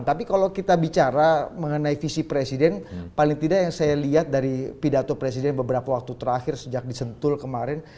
tapi kalau kita bicara mengenai visi presiden paling tidak yang saya lihat dari pidato presiden beberapa waktu terakhir sejak disentul kemarin